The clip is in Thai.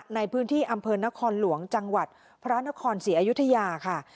ในพื้นที่อำเภอนครหลวงจังหวัดพระนครศรีอยุธยาค่ะ